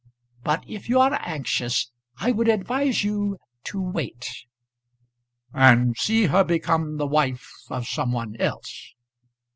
But if you are anxious, I would advise you to wait." "And see her become the wife of some one else."